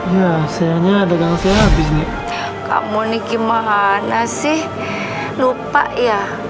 ya sayangnya ada gangsternya habis nih kamu nih gimana sih lupa ya